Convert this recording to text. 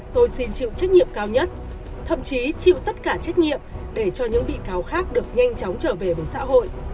tôi xin chịu trách nhiệm cao nhất thậm chí chịu tất cả trách nhiệm để cho những bị cáo khác được nhanh chóng trở về với xã hội